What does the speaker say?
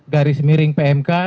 garis miring pmk